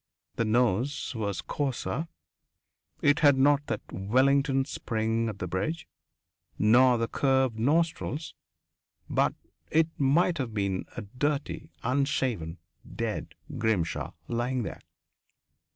The nose was coarser it had not that Wellington spring at the bridge, nor the curved nostrils. But it might have been a dirty, unshaven, dead Grimshaw lying there.